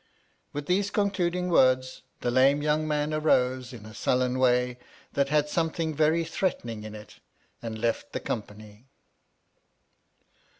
With these concluding words, the lame young man arose in a sullen way that had something very threatening in it, and left the company.